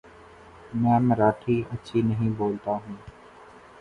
میں مراٹھی اچھی نہیں بولتا ہوں ـ